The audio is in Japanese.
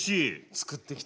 作ってきたよ。